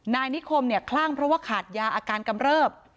นายนิคมเนี่ยคลั่งเพราะว่าขาดยาอาการกำเริบ